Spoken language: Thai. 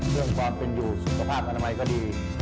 เรื่องความเป็นอยู่สุขภาพอนามัยก็ดี